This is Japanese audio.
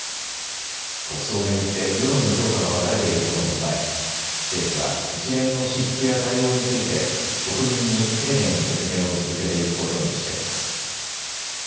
国葬を巡って世論の評価が分かれていることも踏まえ政府は一連の支出や対応について国民に丁寧に説明を続けていくことにしています。